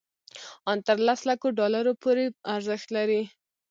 ان تر لس لکو ډالرو پورې ارزښت لري.